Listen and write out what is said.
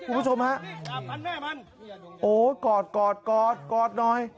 คุณผู้ชมครับโอ้กอดน้อย